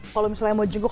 kalau misalnya mau jenguk